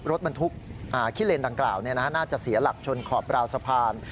รถบรรทุกขี้เลนดังกล่าวน่าจะเสียหลักชนขอบราวสะพาน